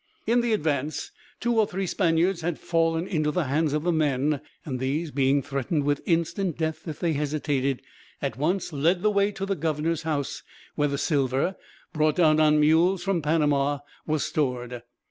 In the advance, two or three Spaniards had fallen into the hands of the men and, these being threatened with instant death if they hesitated, at once led the way to the governor's house, where the silver, brought down on mules from Panama, was stored.